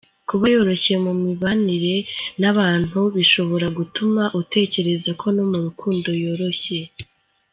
Kuba yoroshye mu mibanire n’abantu bishobora gutuma utekereza ko no mu rukundo yoroshye.